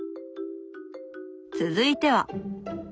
続いては。